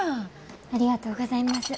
ありがとうございます。